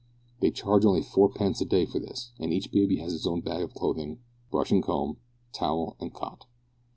They charge only fourpence a day for this, and each baby has its own bag of clothing, brush and comb, towel and cot.